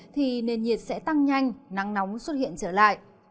thì nền nhiệt sẽ tăng nhanh nắng nóng xuất hiện trở lại